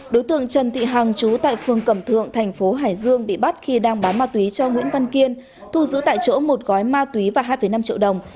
đối tượng trần thị hằng chú tại phường cẩm thượng thành phố hải dương bị bắt khi đang bán ma túy cho nguyễn văn kiên thu giữ tại chỗ một gói ma túy và hai năm triệu đồng